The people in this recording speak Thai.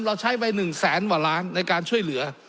เราใช้ไป๑แสนกว่าล้านในการช่วยเหลือ